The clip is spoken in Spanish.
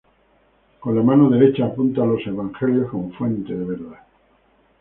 Con la mano derecha apunta a los Evangelios como fuente de verdad.